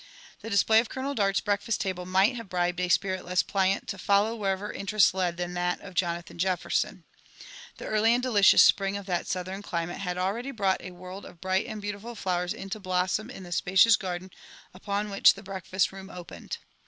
The display of Golooel Daurl'i breakfast table might have brHied a spirit less pliant to follow wherever interest led than that of Jonathan JeCferson. The early and delicions spring of that souUiem climate had already brou^t a world of bright and beautiful flowers into blossom in the spacious garden upon which the breakfast room opened.